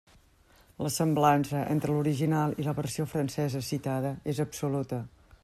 La semblança entre l'original i la versió francesa citada és absoluta.